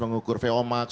mengukur vo max